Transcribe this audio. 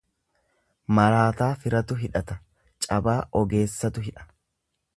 Maraataa firatu hidhata, cabaa ogeessatu hidha.